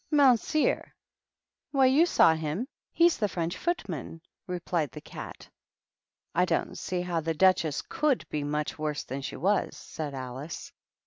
"Mounseer? Why, you saw him, — he's the French footman," replied the Cat. " I don't see how the Duchess cmild be much worse than she was," said Alice.